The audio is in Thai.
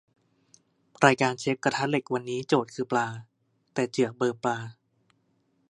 รายการเชฟกระทะเหล็กวันนี้โจทย์คือปลา แต่เจือกเบลอปลา